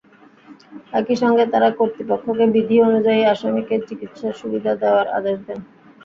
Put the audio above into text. একই সঙ্গে কারা কর্তৃপক্ষকে বিধি অনুযায়ী আসামিকে চিকিৎসা সুবিধা দেওয়ার আদেশ দেন।